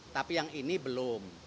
tapi yang ini belum